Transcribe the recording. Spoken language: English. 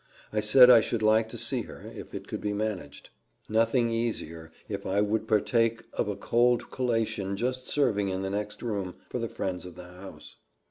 I said I should like to see her, if it could be managed. "Nothing easier, if I would partake of a cold collation just serving in the next room for the friends of the house.